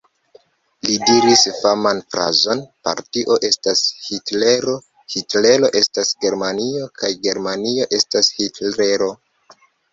Li diris faman frazon: "Partio estas Hitlero, Hitlero estas Germanio kaj Germanio estas Hitlero!".